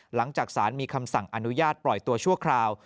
หลังจากสารมีคำสั่งอนุญาตปล่อยตัวชั่วคราว